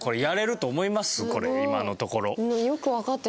これ今のところ。